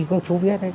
các chú biết đấy